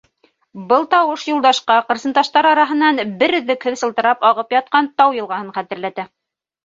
Был тауыш Юлдашҡа ҡырсынташтар араһынан бер өҙлөкһөҙ сылтырап ағып ятҡан тау йылғаһын хәтерләтә.